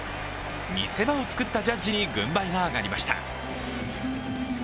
見せ場を作ったジャッジに軍配が上がりました。